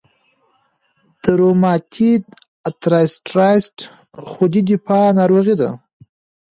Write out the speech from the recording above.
د روماتویید ارترایټرایټس خودي دفاعي ناروغي ده.